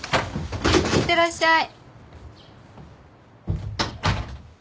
いってらっしゃい。